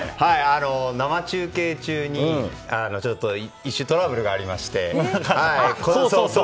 生中継中にちょっと一瞬トラブルがありまして。